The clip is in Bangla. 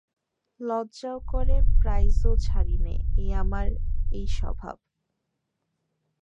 লজ্জাও করে প্রাইজও ছাড়ি নে, আমার এই স্বভাব।